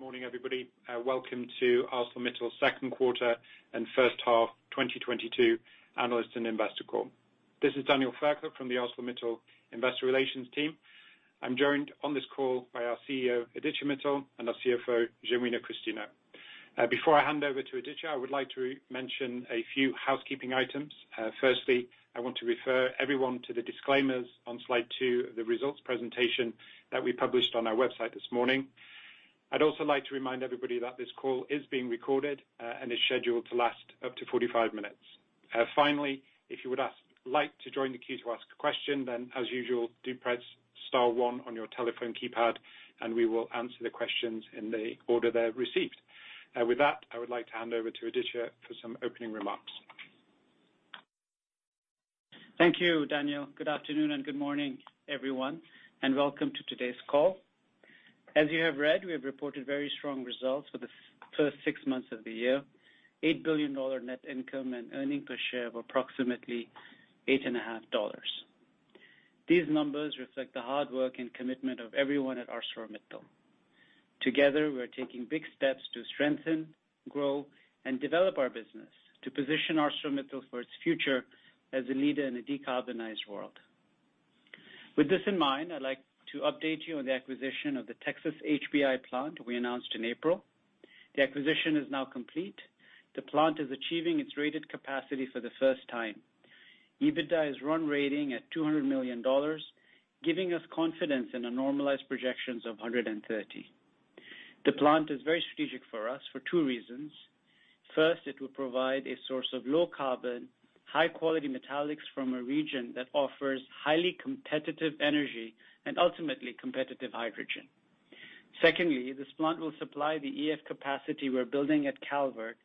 Good afternoon and good morning, everybody. Welcome to ArcelorMittal's second quarter and first half 2022 analyst and investor call. This is Daniel Fairclough from the ArcelorMittal Investor Relations team. I'm joined on this call by our CEO, Aditya Mittal, and our CFO, Genuino Christino. Before I hand over to Aditya, I would like to mention a few housekeeping items. Firstly, I want to refer everyone to the disclaimers on slide two of the results presentation that we published on our website this morning. I'd also like to remind everybody that this call is being recorded, and is scheduled to last up to 45 minutes. Finally, if you like to join the queue to ask a question, then as usual, do press star one on your telephone keypad, and we will answer the questions in the order they're received. With that, I would like to hand over to Aditya for some opening remarks. Thank you, Daniel. Good afternoon and good morning, everyone, and welcome to today's call. As you have read, we have reported very strong results for the first six months of the year. $8 billion net income and earnings per share of approximately $8.5. These numbers reflect the hard work and commitment of everyone at ArcelorMittal. Together, we're taking big steps to strengthen, grow, and develop our business to position ArcelorMittal for its future as a leader in a decarbonized world. With this in mind, I'd like to update you on the acquisition of the Texas HBI plant we announced in April. The acquisition is now complete. The plant is achieving its rated capacity for the first time. EBITDA is run-rate at $200 million, giving us confidence in a normalized projection of $130 million. The plant is very strategic for us for two reasons. First, it will provide a source of low carbon, high-quality metallics from a region that offers highly competitive energy and ultimately competitive hydrogen. Secondly, this plant will supply the EAF capacity we're building at Calvert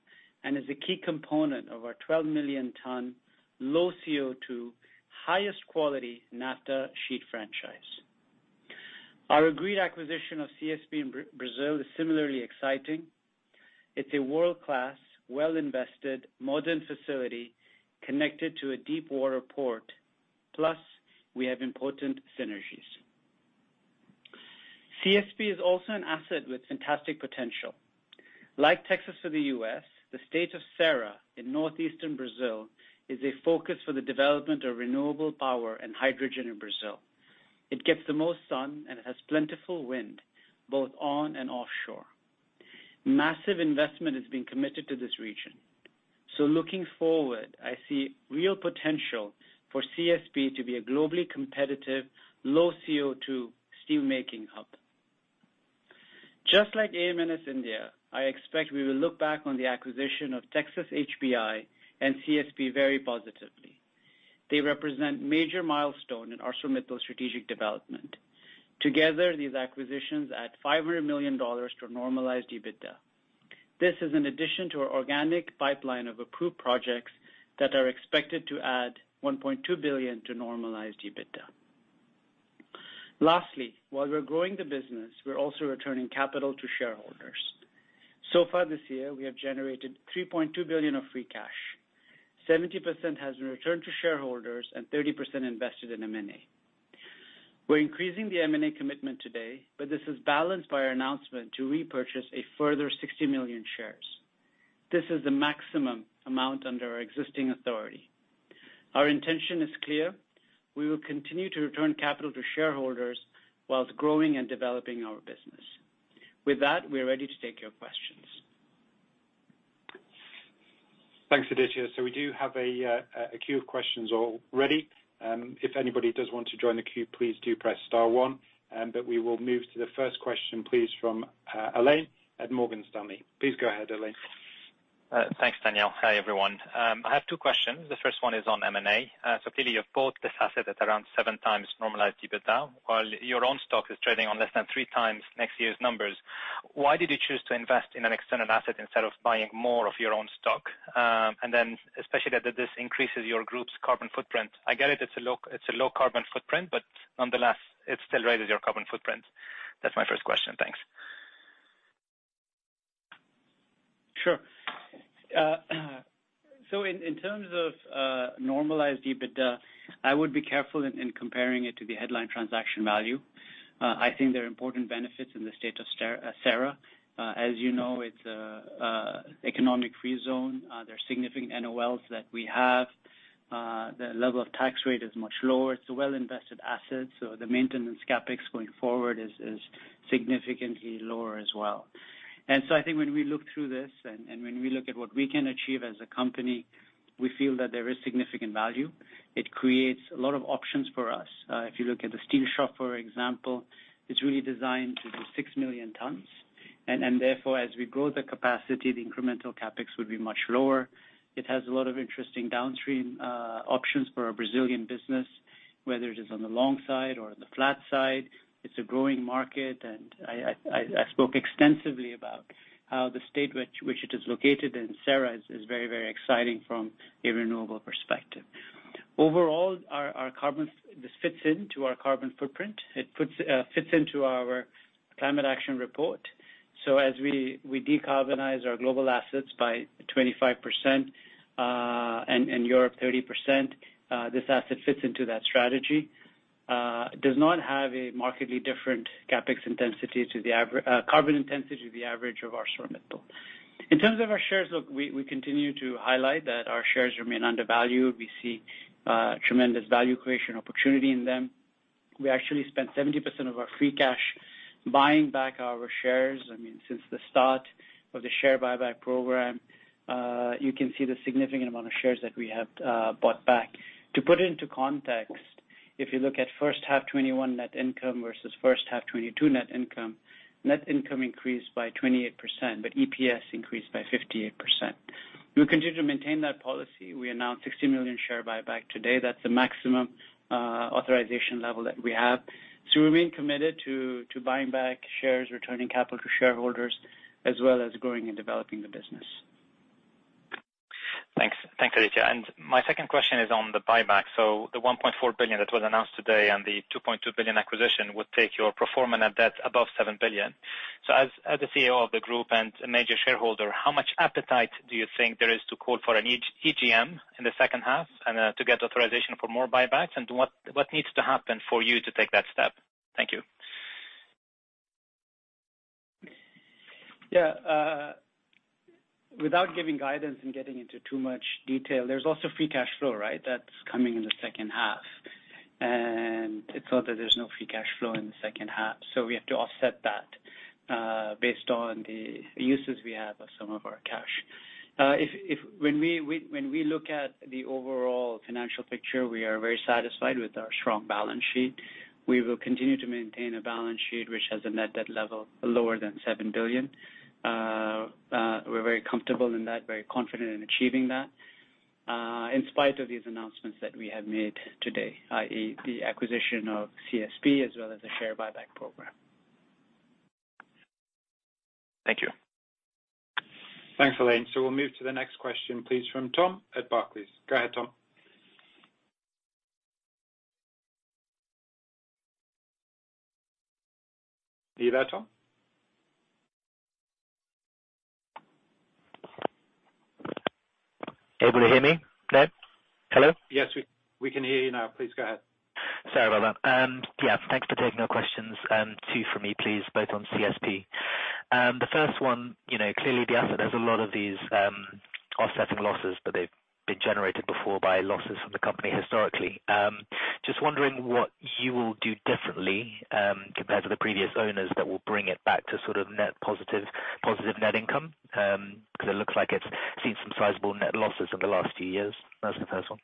and is a key component of our 12 million ton low CO2, highest quality NAFTA sheet franchise. Our agreed acquisition of CSP in Brazil is similarly exciting. It's a world-class, well-invested, modern facility connected to a deep water port. Plus, we have important synergies. CSP is also an asset with fantastic potential. Like Texas to the U.S., the state of Ceará in northeastern Brazil is a focus for the development of renewable power and hydrogen in Brazil. It gets the most sun, and it has plentiful wind, both on and offshore. Massive investment is being committed to this region. Looking forward, I see real potential for CSP to be a globally competitive, low CO2 steelmaking hub. Just like AMNS India, I expect we will look back on the acquisition of Texas HBI and CSP very positively. They represent major milestone in ArcelorMittal strategic development. Together, these acquisitions add $500 million to normalized EBITDA. This is an addition to our organic pipeline of approved projects that are expected to add $1.2 billion to normalized EBITDA. Lastly, while we're growing the business, we're also returning capital to shareholders. So far this year, we have generated $3.2 billion of free cash. 70% has been returned to shareholders and 30% invested in M&A. We're increasing the M&A commitment today, but this is balanced by our announcement to repurchase a further 60 million shares. This is the maximum amount under our existing authority. Our intention is clear. We will continue to return capital to shareholders while growing and developing our business. With that, we are ready to take your questions. Thanks, Aditya. We do have a queue of questions already. If anybody does want to join the queue, please do press star one, but we will move to the first question, please, from Alain at Morgan Stanley. Please go ahead, Alain. Thanks, Daniel. Hi, everyone. I have two questions. The first one is on M&A. Clearly you've bought this asset at around 7x normalized EBITDA, while your own stock is trading on less than 3x next year's numbers. Why did you choose to invest in an external asset instead of buying more of your own stock? Especially that this increases your group's carbon footprint. I get it's a low carbon footprint, but nonetheless, it still raises your carbon footprint. That's my first question. Thanks. Sure. So in terms of normalized EBITDA, I would be careful in comparing it to the headline transaction value. I think there are important benefits in the state of Ceará. As you know, it's a economic free zone. There are significant NOLs that we have. The level of tax rate is much lower. It's a well-invested asset, so the maintenance CapEx going forward is significantly lower as well. I think when we look through this and when we look at what we can achieve as a company, we feel that there is significant value. It creates a lot of options for us. If you look at the steel shop, for example, it's really designed to do 6 million tons. Therefore, as we grow the capacity, the incremental CapEx would be much lower. It has a lot of interesting downstream options for our Brazilian business, whether it is on the long side or the flat side. It's a growing market. I spoke extensively about how the state which it is located in, Ceará, is very exciting from a renewable perspective. Overall, our carbon. This fits into our carbon footprint. It fits into our climate action report. As we decarbonize our global assets by 25%, and Europe 30%, this asset fits into that strategy. It does not have a markedly different carbon intensity to the average of our hot metal. In terms of our shares, look, we continue to highlight that our shares remain undervalued. We see tremendous value creation opportunity in them. We actually spent 70% of our free cash buying back our shares. I mean, since the start of the share buyback program, you can see the significant amount of shares that we have bought back. To put it into context, if you look at first half 2021 net income versus first half 2022 net income, net income increased by 28%, but EPS increased by 58%. We continue to maintain that policy. We announced 60 million share buyback today. That's the maximum authorization level that we have. We remain committed to buying back shares, returning capital to shareholders, as well as growing and developing the business. Thanks. Thanks, Aditya. My second question is on the buyback. The $1.4 billion that was announced today and the $2.2 billion acquisition would take your pro forma net debt above $7 billion. As the CEO of the group and a major shareholder, how much appetite do you think there is to call for an EGM in the second half and to get authorization for more buybacks? What needs to happen for you to take that step? Thank you. Yeah. Without giving guidance and getting into too much detail, there's also free cash flow, right? That's coming in the second half. It's not that there's no free cash flow in the second half, so we have to offset that, based on the uses we have of some of our cash. When we look at the overall financial picture, we are very satisfied with our strong balance sheet. We will continue to maintain a balance sheet which has a net debt level lower than $7 billion. We're very comfortable in that, very confident in achieving that, in spite of these announcements that we have made today, i.e., the acquisition of CSP as well as the share buyback program. Thank you. Thanks, Alain. We'll move to the next question, please, from Tom at Barclays. Go ahead, Tom. Are you there, Tom? Able to hear me? Clear? Hello? Yes, we can hear you now. Please go ahead. Sorry about that. Yeah, thanks for taking our questions. Two for me, please, both on CSP. The first one, you know, clearly the asset has a lot of these offsetting losses, but they've been generated before by losses from the company historically. Just wondering what you will do differently compared to the previous owners that will bring it back to sort of net positive net income, 'cause it looks like it's seen some sizable net losses over the last few years. That's the first one.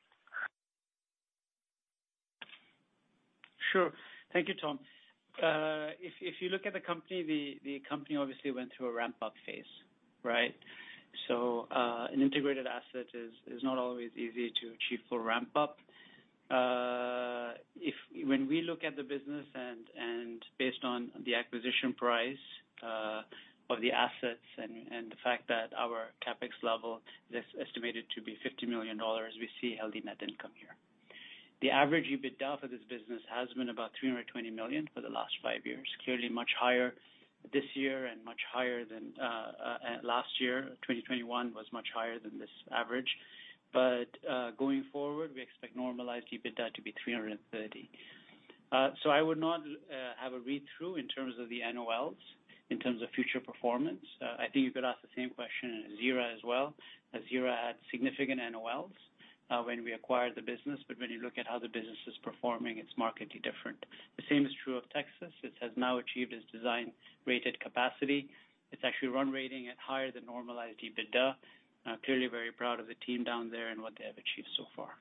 Sure. Thank you, Tom. If you look at the company, the company obviously went through a ramp-up phase, right? An integrated asset is not always easy to achieve full ramp-up. When we look at the business and based on the acquisition price of the assets and the fact that our CapEx level is estimated to be $50 million, we see healthy net income here. The average EBITDA for this business has been about $320 million for the last five years. Clearly much higher this year and much higher than last year. 2021 was much higher than this average. Going forward, we expect normalized EBITDA to be $330 million. I would not have a read-through in terms of the NOLs in terms of future performance. I think you could ask the same question in Hazira as well, as Hazira had significant NOLs, when we acquired the business. When you look at how the business is performing, it's markedly different. The same is true of Texas. It has now achieved its design rated capacity. It's actually run rating at higher than normalized EBITDA. Clearly very proud of the team down there and what they have achieved so far.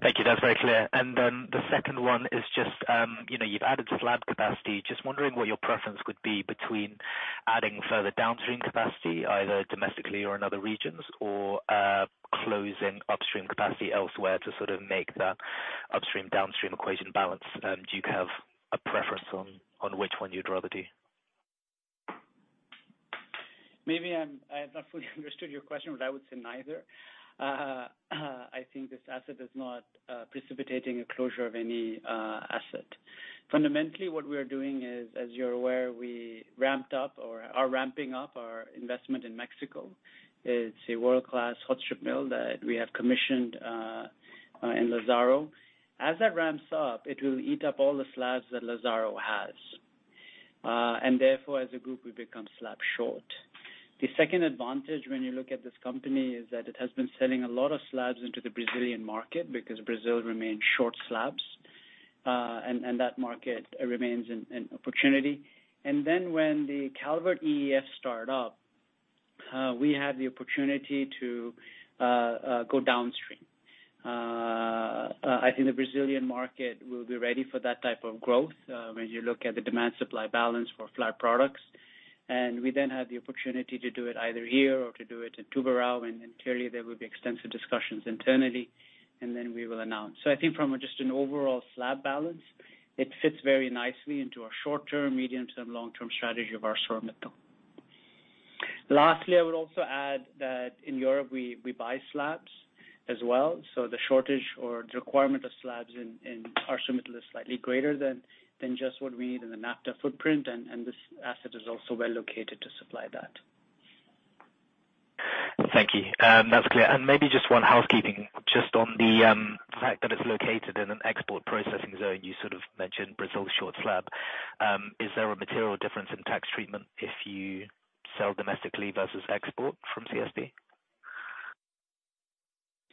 Thank you. That's very clear. The second one is just, you know, you've added slab capacity. Just wondering what your preference would be between adding further downstream capacity, either domestically or in other regions, or closing upstream capacity elsewhere to sort of make the upstream downstream equation balance? Do you have a preference on which one you'd rather do? I have not fully understood your question, but I would say neither. I think this asset is not precipitating a closure of any asset. Fundamentally, what we are doing is, as you're aware, we ramped up or are ramping up our investment in Mexico. It's a world-class hot strip mill that we have commissioned in Lázaro Cárdenas. As that ramps up, it will eat up all the slabs that Lázaro Cárdenas has. Therefore, as a group, we become slab short. The second advantage when you look at this company is that it has been selling a lot of slabs into the Brazilian market because Brazil remains short of slabs, and that market remains an opportunity. Then when the Calvert EAF start up, we have the opportunity to go downstream. I think the Brazilian market will be ready for that type of growth, when you look at the demand supply balance for flat products. We then have the opportunity to do it either here or to do it in Tubarão, and clearly there will be extensive discussions internally, and then we will announce. I think from just an overall slab balance, it fits very nicely into our short-term, medium-term, long-term strategy. Lastly, I would also add that in Europe we buy slabs as well. The shortage or the requirement of slabs in ArcelorMittal is slightly greater than just what we need in the NAFTA footprint. This asset is also well located to supply that. Thank you. That's clear. Maybe just one housekeeping just on the fact that it's located in an export processing zone. You sort of mentioned Brazil short slab. Is there a material difference in tax treatment if you sell domestically versus export from CSP?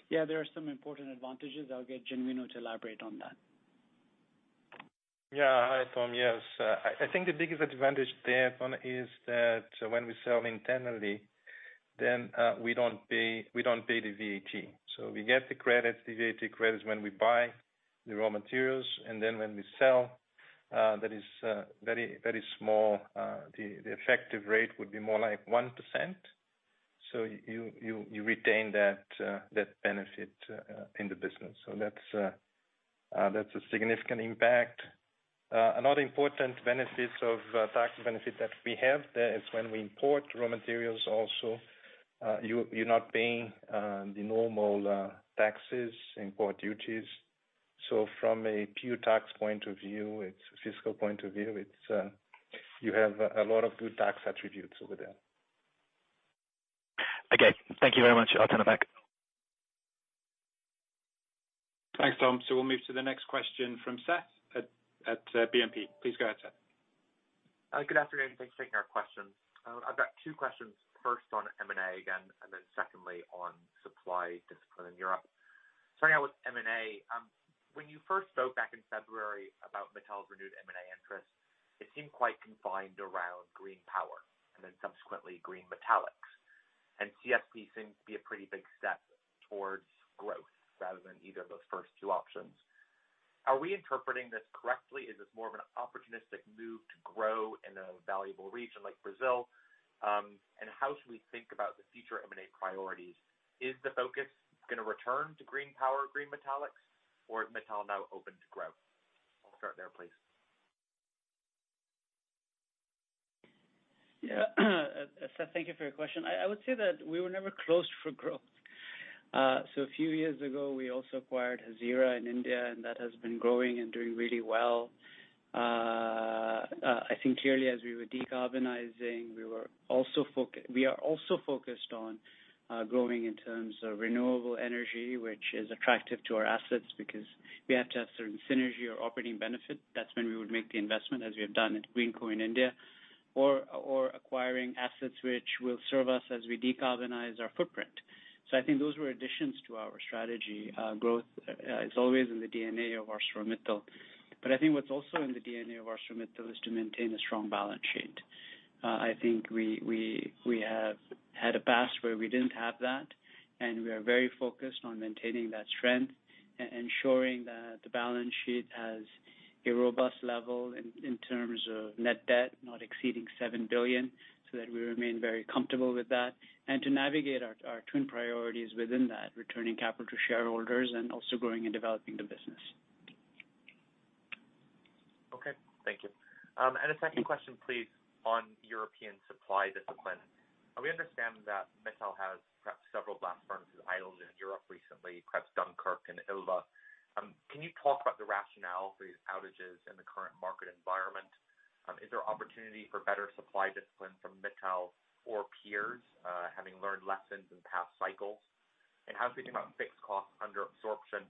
Yeah, there are some important advantages. I'll get Genuino to elaborate on that. Yeah. Hi, Tom. Yes, I think the biggest advantage there, Tom, is that when we sell internally, then, we don't pay the VAT. We get the credits, the VAT credits when we buy the raw materials and then when we sell, that is very, very small. The effective rate would be more like 1%. You retain that benefit in the business. That's a significant impact. Another important benefits of tax benefit that we have there is when we import raw materials also, you're not paying the normal taxes, import duties. From a pure tax point of view, it's a fiscal point of view. You have a lot of good tax attributes over there. Okay. Thank you very much. I'll turn it back. Thanks, Tom. We'll move to the next question from Seth at BNP. Please go ahead, Seth. Good afternoon, thanks for taking our question. I've got two questions. First on M&A again, and then secondly on supply discipline in Europe. Starting out with M&A, when you first spoke back in February about Mittal's renewed M&A interest, it seemed quite confined around green power and then subsequently green metallics. CSP seems to be a pretty big step towards growth rather than either of those first two options. Are we interpreting this correctly? Is this more of an opportunistic move to grow in a valuable region like Brazil? How should we think about the future M&A priorities? Is the focus gonna return to green power, green metallics, or is Mittal now open to growth? I'll start there, please. Yeah. Seth, thank you for your question. I would say that we were never closed for growth. A few years ago, we also acquired Hazira in India, and that has been growing and doing really well. I think clearly as we were decarbonizing, we are also focused on growing in terms of renewable energy, which is attractive to our assets because we have to have certain synergy or operating benefit. That's when we would make the investment, as we have done at Greenko in India, or acquiring assets which will serve us as we decarbonize our footprint. I think those were additions to our strategy. Growth is always in the DNA of ArcelorMittal, but I think what's also in the DNA of ArcelorMittal is to maintain a strong balance sheet. I think we have had a past where we didn't have that, and we are very focused on maintaining that strength and ensuring that the balance sheet has a robust level in terms of net debt, not exceeding $7 billion, so that we remain very comfortable with that. To navigate our twin priorities within that, returning capital to shareholders and also growing and developing the business. Okay, thank you. A second question, please, on European supply discipline. We understand that ArcelorMittal has perhaps several blast furnaces idled in Europe recently, perhaps Dunkirk and Ilva. Can you talk about the rationale for these outages in the current market environment? Is there opportunity for better supply discipline from ArcelorMittal or peers, having learned lessons in past cycles? How are we doing about fixed costs under absorption?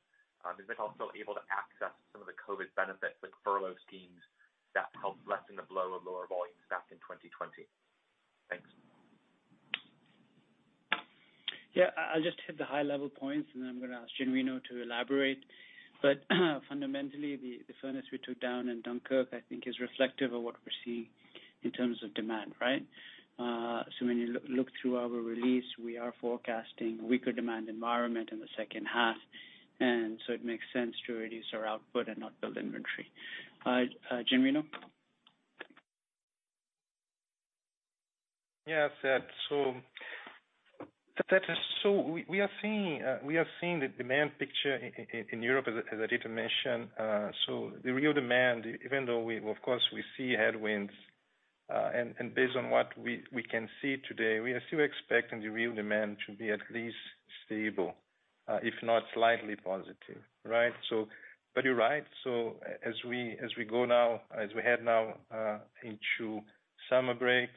Is ArcelorMittal still able to access some of the COVID benefits with furlough schemes that helped lessen the blow of lower volumes back in 2020? Thanks. Yeah. I'll just hit the high level points and then I'm gonna ask Genuino to elaborate. Fundamentally, the furnace we took down in Dunkirk, I think is reflective of what we're seeing in terms of demand, right? When you look through our release, we are forecasting weaker demand environment in the second half, and it makes sense to reduce our output and not build inventory. Genuino. We are seeing the demand picture in Europe as Aditya mentioned. The real demand, even though we of course see headwinds, and based on what we can see today, we are still expecting the real demand to be at least stable, if not slightly positive, right? But you're right. As we head now into summer breaks,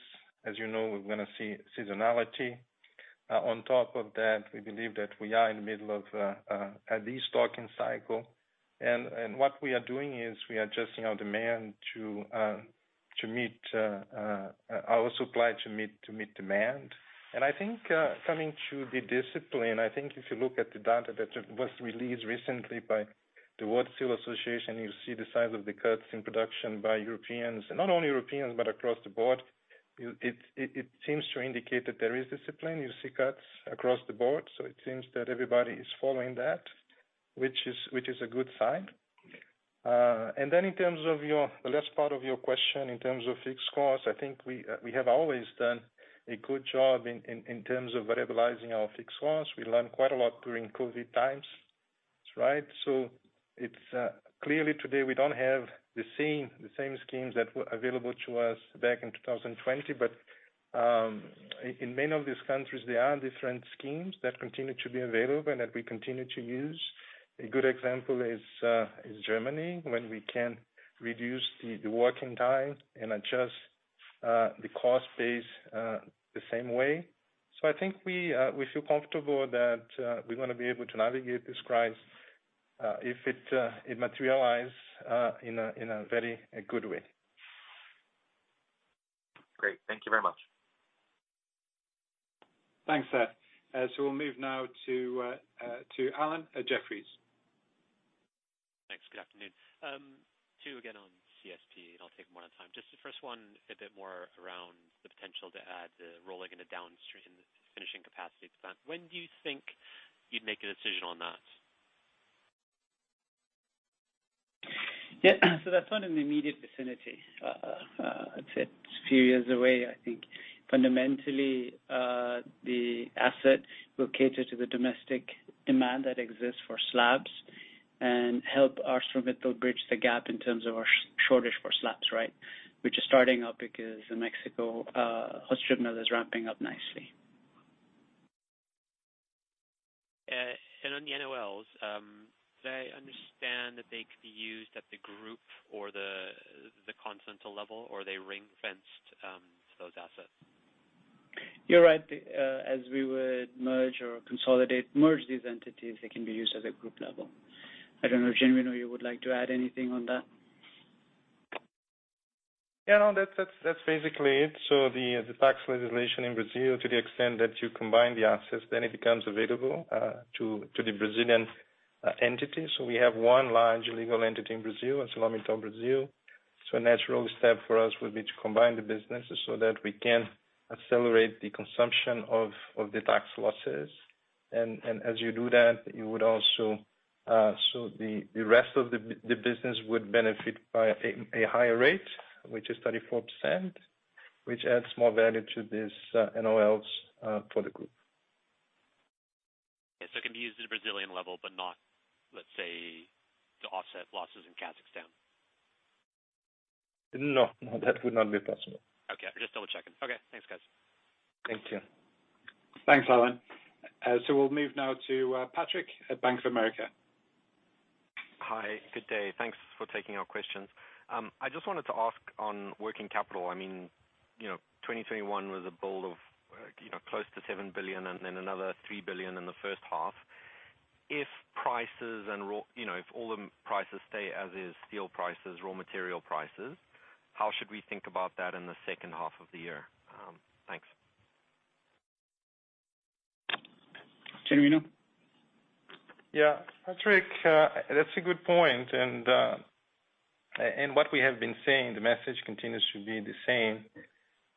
as you know, we're gonna see seasonality. On top of that, we believe that we are in the middle of a destocking cycle. What we are doing is we are adjusting our supply to meet demand. I think, coming to the discipline, I think if you look at the data that was released recently by the World Steel Association, you see the size of the cuts in production by Europeans, not only Europeans, but across the board. It seems to indicate that there is discipline. You see cuts across the board. It seems that everybody is following that, which is a good sign. Then in terms of the last part of your question, in terms of fixed costs, I think we have always done a good job in terms of variabilizing our fixed costs. We learned quite a lot during COVID times. That's right. It's clearly today we don't have the same schemes that were available to us back in 2020. In many of these countries, there are different schemes that continue to be available and that we continue to use. A good example is Germany, when we can reduce the working time and adjust the cost base the same way. I think we feel comfortable that we're gonna be able to navigate this crisis if it materializes in a very good way. Great. Thank you very much. Thanks, Seth. We'll move now to Alan at Jefferies. Thanks. Good afternoon. Two again on CSP, and I'll take more on time. Just the first one, a bit more around the potential to add the rolling and the downstream finishing capacity to that. When do you think you'd make a decision on that? Yeah. That's not an immediate vicinity. I'd say it's a few years away, I think. Fundamentally, the asset will cater to the domestic demand that exists for slabs and help ArcelorMittal bridge the gap in terms of our shortage for slabs, right? Which is starting up because in Mexico, Hot-Dip Mill is ramping up nicely. On the NOLs, did I understand that they could be used at the group or the continental level, or are they ring-fenced to those assets? You're right. As we would merge or consolidate these entities, they can be used at a group level. I don't know if Genuino you would like to add anything on that. Yeah, no, that's basically it. The tax legislation in Brazil, to the extent that you combine the assets, then it becomes available to the Brazilian entity. We have one large legal entity in Brazil, ArcelorMittal Brasil. A natural step for us would be to combine the businesses so that we can accelerate the consumption of the tax losses. As you do that, you would also, the rest of the business would benefit by a higher rate, which is 34%, which adds more value to this NOLs for the group. It can be used at a Brazilian level, but not, let's say, to offset losses in Kazakhstan. No. No, that would not be possible. Okay. Just double-checking. Okay, thanks, guys. Thank you. Thanks, Alan. We'll move now to Patrick at Bank of America. Hi, good day. Thanks for taking our questions. I just wanted to ask on working capital. I mean, you know, 2021 was a build of, you know, close to $7 billion and then another $3 billion in the first half. You know, if all the prices stay as is, steel prices, raw material prices, how should we think about that in the second half of the year? Thanks. Genuino. Yeah. Patrick, that's a good point. What we have been saying, the message continues to be the same,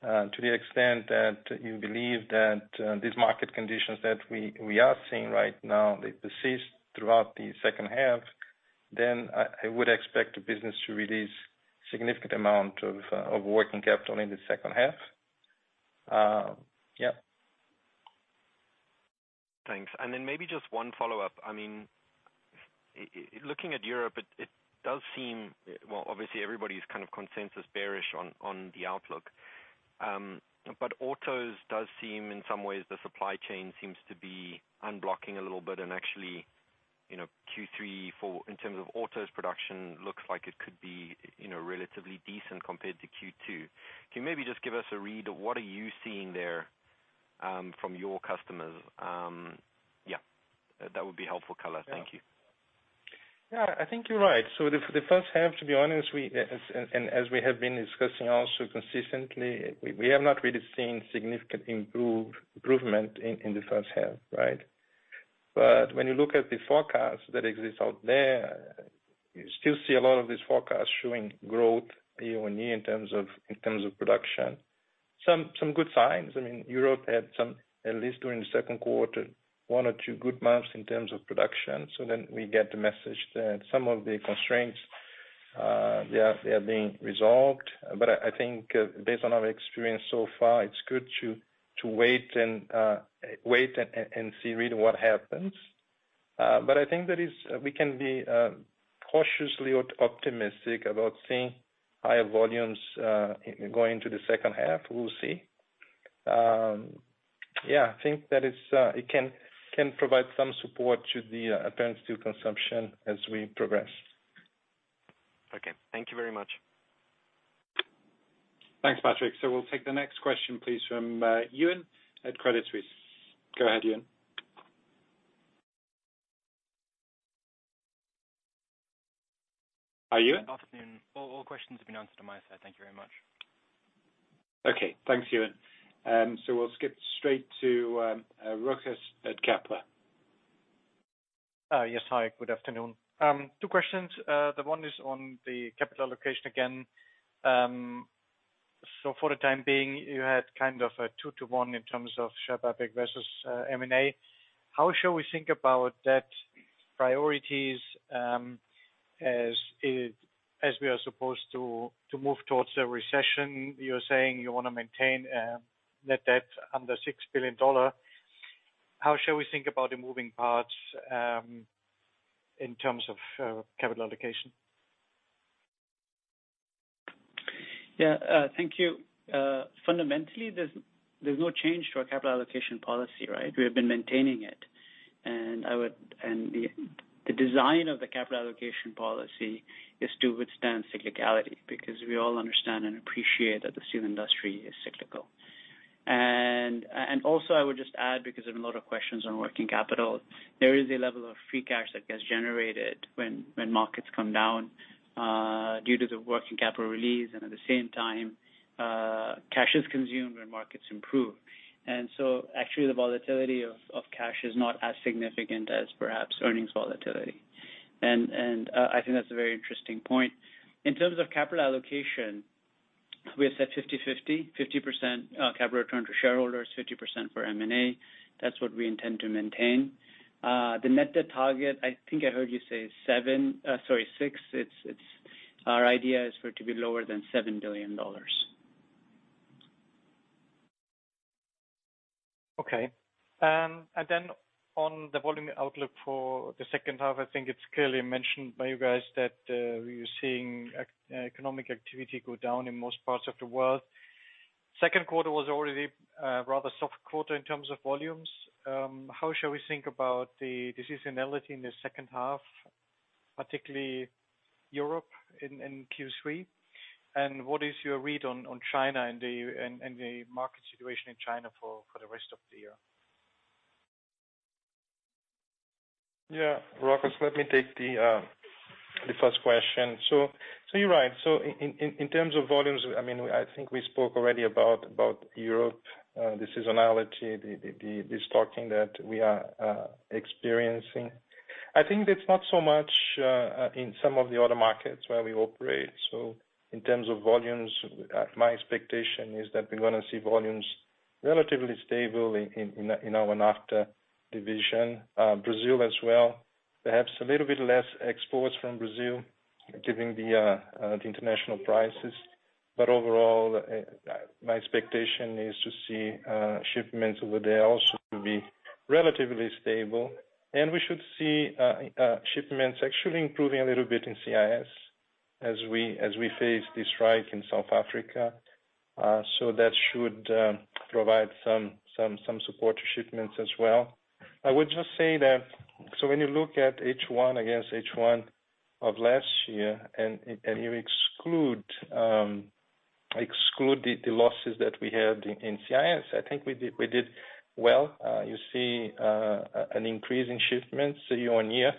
to the extent that you believe that these market conditions that we are seeing right now, they persist throughout the second half, then I would expect the business to release significant amount of working capital in the second half. Yeah. Thanks. Maybe just one follow-up. I mean, looking at Europe, it does seem, well, obviously, everybody's kind of consensus bearish on the outlook. But autos does seem, in some ways, the supply chain seems to be unblocking a little bit. Actually, you know, Q3 in terms of autos production looks like it could be, you know, relatively decent compared to Q2. Can you maybe just give us a read of what are you seeing there from your customers? Yeah, that would be helpful color. Thank you. Yeah. I think you're right. The first half, to be honest, we have been discussing also consistently, we have not really seen significant improvement in the first half, right? When you look at the forecast that exists out there, you still see a lot of these forecasts showing growth year-on-year in terms of production. Some good signs. I mean, Europe had some, at least during the second quarter, one or two good months in terms of production. We get the message that some of the constraints, they are being resolved. I think based on our experience so far, it's good to wait and see really what happens. I think we can be cautiously optimistic about seeing higher volumes going into the second half. We'll see. Yeah, I think that is it can provide some support to the apparent steel consumption as we progress. Okay. Thank you very much. Thanks, Patrick. We'll take the next question, please, from Ewan at Credit Suisse. Go ahead, Ewan. Hi, Ewan? Afternoon. All questions have been answered on my side. Thank you very much. Okay, thanks, Ewan. We'll skip straight to Rochus at Kepler. Yes. Hi, good afternoon. Two questions. The one is on the capital allocation again. For the time being, you had kind of a 2-to-1 in terms of share buyback versus M&A. How should we think about that priorities, as we are supposed to move towards a recession, you're saying you wanna maintain net debt under $6 billion. How should we think about the moving parts in terms of capital allocation? Fundamentally, there's no change to our capital allocation policy, right? We have been maintaining it. The design of the capital allocation policy is to withstand cyclicality, because we all understand and appreciate that the steel industry is cyclical. Also I would just add, because there's a lot of questions on working capital, there is a level of free cash that gets generated when markets come down, due to the working capital release, and at the same time, cash is consumed when markets improve. Actually the volatility of cash is not as significant as perhaps earnings volatility. I think that's a very interesting point. In terms of capital allocation, we are set 50/50% capital return to shareholders, 50% for M&A. That's what we intend to maintain. The net debt target, I think I heard you say seven. Sorry, six. It's our idea for it to be lower than $7 billion. Okay. On the volume outlook for the second half, I think it's clearly mentioned by you guys that you're seeing economic activity go down in most parts of the world. Second quarter was already a rather soft quarter in terms of volumes. How shall we think about the seasonality in the second half, particularly Europe in Q3? What is your read on China and the market situation in China for the rest of the year? Yeah. Rochus, let me take the first question. You're right. In terms of volumes, I mean, I think we spoke already about Europe, the seasonality, the stocking that we are experiencing. I think that's not so much in some of the other markets where we operate. In terms of volumes, my expectation is that we're gonna see volumes relatively stable in our NAFTA division, Brazil as well. Perhaps a little bit less exports from Brazil given the international prices. Overall, my expectation is to see shipments over there also to be relatively stable. We should see shipments actually improving a little bit in CIS as we face the strike in South Africa. That should provide some support to shipments as well. I would just say that when you look at H1 against H1 of last year and you exclude the losses that we had in CIS, I think we did well. You see an increase in shipments year-on-year.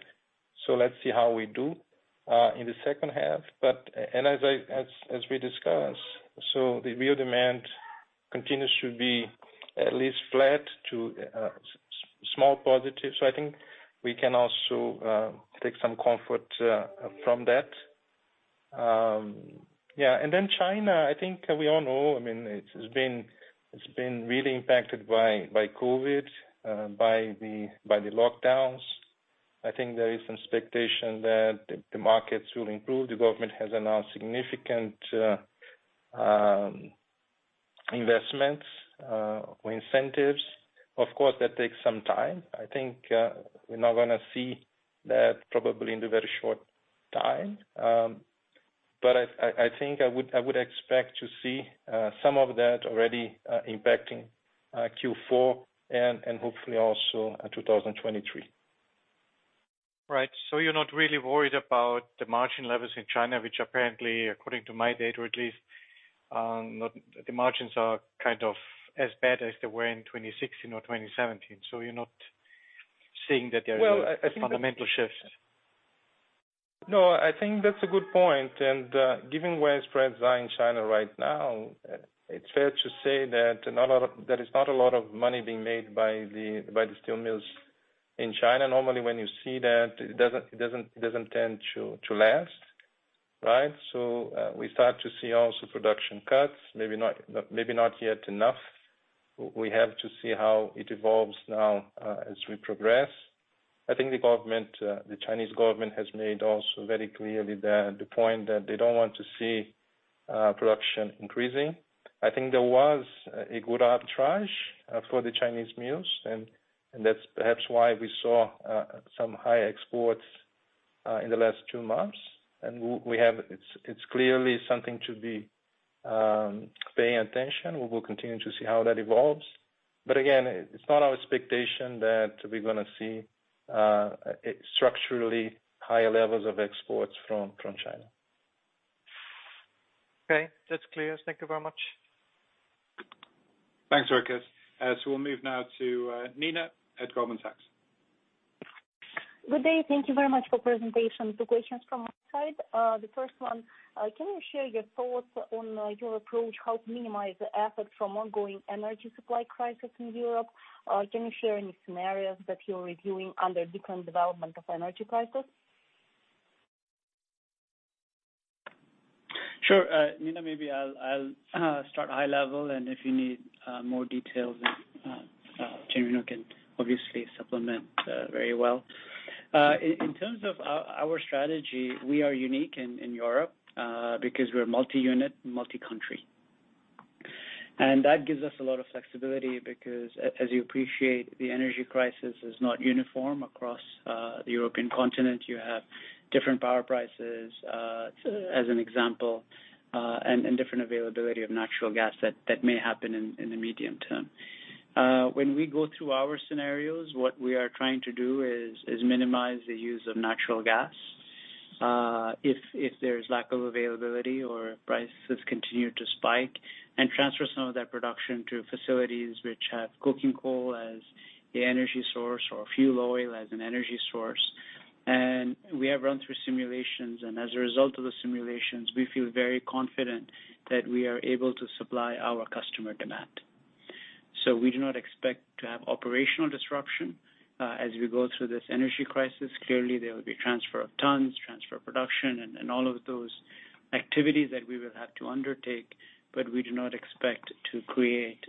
Let's see how we do in the second half. As we discussed, the real demand continues to be at least flat to small positive. I think we can also take some comfort from that. Yeah. Then China, I think we all know, I mean, it's been really impacted by COVID, by the lockdowns. I think there is some expectation that the markets will improve. The government has announced significant investments or incentives. Of course, that takes some time. I think we're not gonna see that probably in the very short time. I think I would expect to see some of that already impacting Q4 and hopefully also 2023. Right. You're not really worried about the margin levels in China, which apparently, according to my data at least, the margins are kind of as bad as they were in 2016 or 2017. You're not seeing that there is Well, I think. Fundamental shifts? No, I think that's a good point. Given where spreads are in China right now, it's fair to say that there is not a lot of money being made by the steel mills in China. Normally, when you see that, it doesn't tend to last, right? We start to see also production cuts, maybe not yet enough. We have to see how it evolves now, as we progress. I think the government, the Chinese government has made also very clearly the point that they don't want to see production increasing. I think there was a good arbitrage for the Chinese mills, and that's perhaps why we saw some high exports in the last two months. It's clearly something to be paying attention. We will continue to see how that evolves. Again, it's not our expectation that we're gonna see structurally higher levels of exports from China. Okay. That's clear. Thank you very much. Thanks, Rochus. We'll move now to Nina at Goldman Sachs. Good day. Thank you very much for presentation. Two questions from my side. The first one, can you share your thoughts on your approach, how to minimize the impact from ongoing energy supply crisis in Europe? Can you share any scenarios that you're reviewing under different developments of energy crisis? Sure. Nina, maybe I'll start high level, and if you need more details, then Genuino can obviously supplement very well. In terms of our strategy, we are unique in Europe because we're multi-unit, multi-country. That gives us a lot of flexibility because as you appreciate, the energy crisis is not uniform across the European continent. You have different power prices, as an example, and different availability of natural gas that may happen in the medium term. When we go through our scenarios, what we are trying to do is minimize the use of natural gas if there's lack of availability or prices continue to spike, and transfer some of that production to facilities which have coking coal as the energy source or fuel oil as an energy source. We have run through simulations, and as a result of the simulations, we feel very confident that we are able to supply our customer demand. We do not expect to have operational disruption as we go through this energy crisis. Clearly, there will be transfer of tons, transfer of production, and all of those activities that we will have to undertake, but we do not expect to create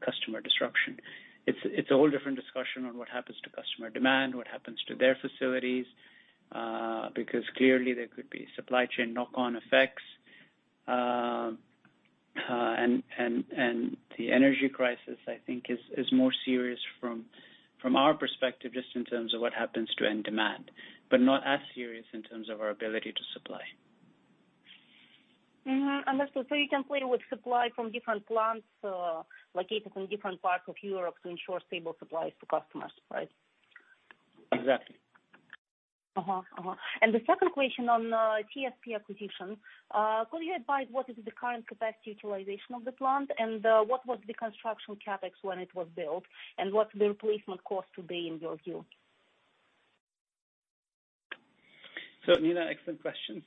customer disruption. It's a whole different discussion on what happens to customer demand, what happens to their facilities, because clearly there could be supply chain knock-on effects. The energy crisis, I think, is more serious from our perspective, just in terms of what happens to end demand, but not as serious in terms of our ability to supply. Understand. You can play with supply from different plants, located in different parts of Europe to ensure stable supplies to customers, right? Exactly. The second question on CSP acquisition, could you advise what is the current capacity utilization of the plant, and what was the construction CapEx when it was built, and what's the replacement cost today in your view? Nina, excellent questions.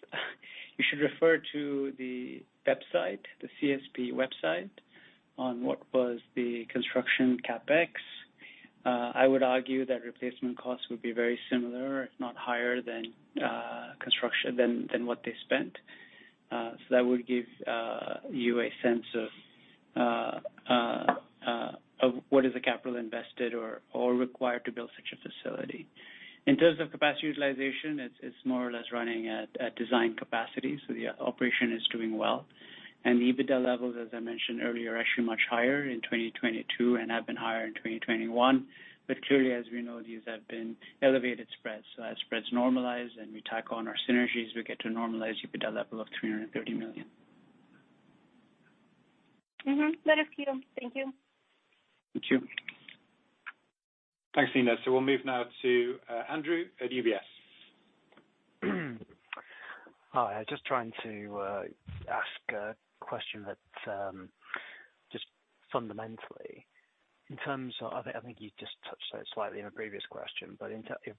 You should refer to the website, the CSP website, on what was the construction CapEx. I would argue that replacement costs would be very similar, if not higher than, construction than what they spent. That would give you a sense of what is the capital invested or required to build such a facility. In terms of capacity utilization, it's more or less running at design capacity, so the operation is doing well. The EBITDA levels, as I mentioned earlier, are actually much higher in 2022 and have been higher in 2021. Clearly, as we know, these have been elevated spreads. As spreads normalize and we tackle on our synergies, we get to normalize EBITDA level of $330 million. Mm-hmm. That is clear. Thank you. Thank you. Thanks, Nina. We'll move now to Andrew at UBS. Hi. Just trying to ask a question that just fundamentally, in terms of I think you just touched so slightly on a previous question, but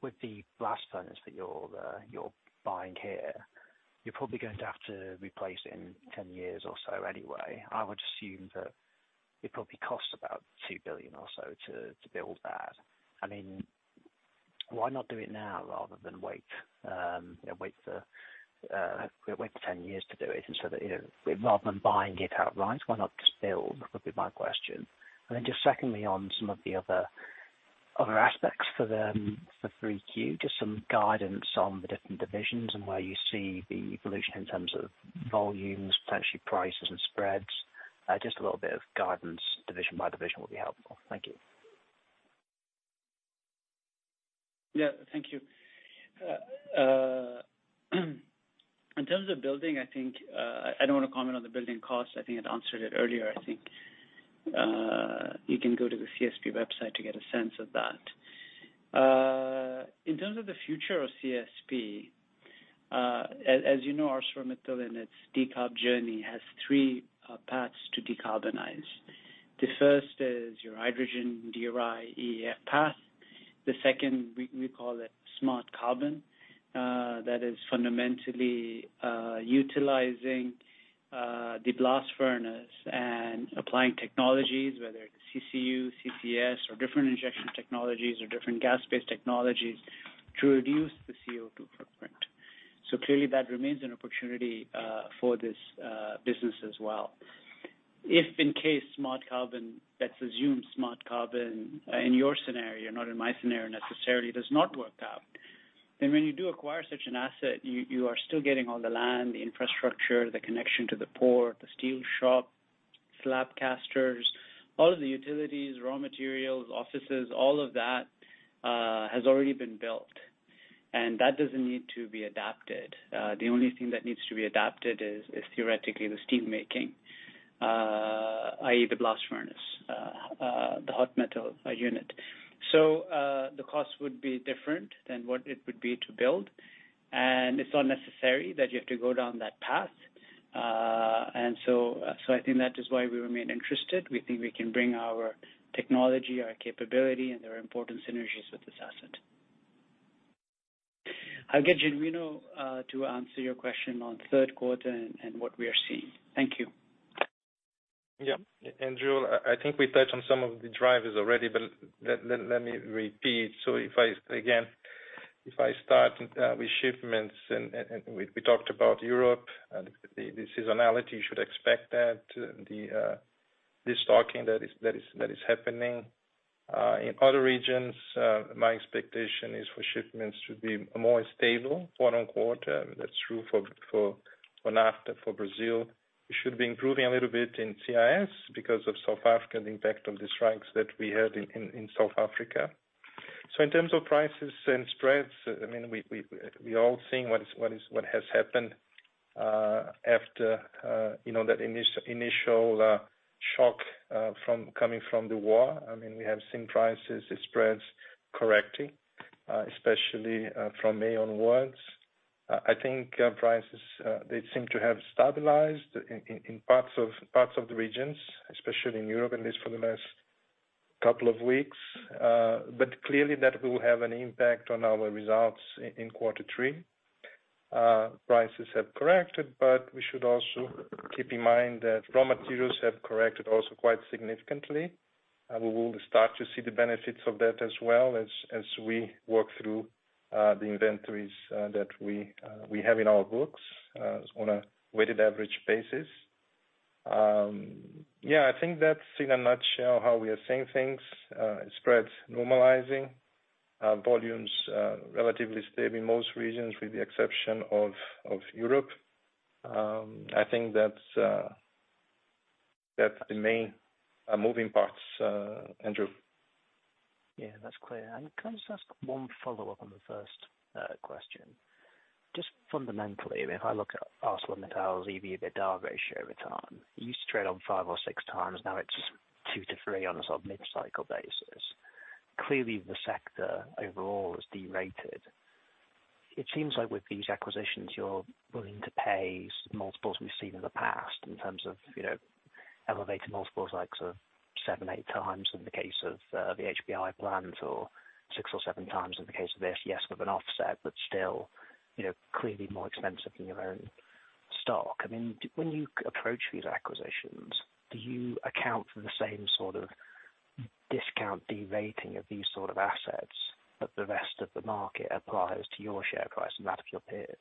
with the blast furnace that you're buying here, you're probably going to have to replace it in 10 years or so anyway. I would assume that it probably costs about $2 billion or so to build that. I mean, why not do it now rather than wait, you know, wait for 10 years to do it? You know, rather than buying it outright, why not just build? That would be my question. Then just secondly, on some of the other aspects for 3Q, just some guidance on the different divisions and where you see the evolution in terms of volumes, potentially prices and spreads. Just a little bit of guidance division by division would be helpful. Thank you. Yeah, thank you. In terms of building, I think I don't wanna comment on the building cost. I think I'd answered it earlier. I think you can go to the CSP website to get a sense of that. In terms of the future of CSP, as you know, ArcelorMittal in its decarb journey has three paths to decarbonize. The first is your hydrogen DRI EAF path. The second, we call it Smart Carbon, that is fundamentally utilizing the blast furnace and applying technologies, whether it's CCU, CCS or different injection technologies or different gas-based technologies to reduce the CO2 footprint. Clearly, that remains an opportunity for this business as well. If in case Smart Carbon, let's assume Smart Carbon in your scenario, not in my scenario necessarily, does not work out, then when you do acquire such an asset, you are still getting all the land, the infrastructure, the connection to the port, the steel shop, slab casters, all of the utilities, raw materials, offices, all of that has already been built. That doesn't need to be adapted. The only thing that needs to be adapted is theoretically the steelmaking, i.e., the blast furnace, the hot metal unit. The cost would be different than what it would be to build, and it's not necessary that you have to go down that path. I think that is why we remain interested. We think we can bring our technology, our capability, and there are important synergies with this asset. I'll get Genuino to answer your question on third quarter and what we are seeing. Thank you. Yeah. Joel, I think we touched on some of the drivers already, but let me repeat. If I again start with shipments and we talked about Europe and the seasonality, you should expect that the stocking that is happening. In other regions, my expectation is for shipments to be more stable quarter-on-quarter. That's true for NAFTA, for Brazil. It should be improving a little bit in CIS because of South Africa and the impact of the strikes that we had in South Africa. In terms of prices and spreads, I mean, we all seen what has happened, after you know that initial shock from coming from the war. I mean, we have seen prices and spreads correcting, especially, from May onwards. I think, prices, they seem to have stabilized in parts of the regions, especially in Europe, at least for the last couple of weeks. Clearly that will have an impact on our results in quarter three. Prices have corrected, but we should also keep in mind that raw materials have corrected also quite significantly. We will start to see the benefits of that as well as we work through the inventories that we have in our books on a weighted average basis. Yeah, I think that's in a nutshell how we are seeing things, spreads normalizing, volumes relatively stable in most regions with the exception of Europe. I think that's the main moving parts, Andrew. Yeah, that's clear. Can I just ask one follow-up on the first question? Just fundamentally, if I look at ArcelorMittal's EV/EBITDA ratio return, you used to trade on 5x or 6x, now it's 2x-3x on a sort of mid-cycle basis. Clearly, the sector overall is derated. It seems like with these acquisitions, you're willing to pay multiples we've seen in the past in terms of, you know, elevated multiples like sort of 7x, 8x in the case of the HBI plants or 6x or 7x in the case of this, yes, with an offset, but still, you know, clearly more expensive than your own stock. I mean, when you approach these acquisitions, do you account for the same sort of discount derating of these sort of assets that the rest of the market applies to your share price and that of your peers?